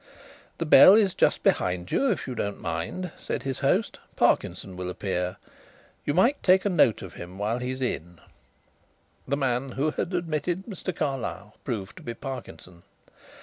"The bell is just behind you, if you don't mind," said his host. "Parkinson will appear. You might take note of him while he is in." The man who had admitted Mr. Carlyle proved to be Parkinson.